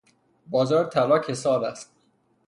بازار طلا کساد است.